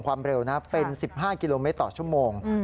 ความเร็วนะเป็น๑๕กิโลเมตรต่อชั่วโมง